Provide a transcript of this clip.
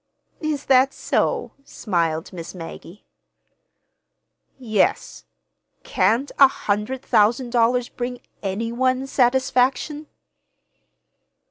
"Is that so?" smiled Miss Maggie. "Yes.—can't a hundred thousand dollars bring any one satisfaction?"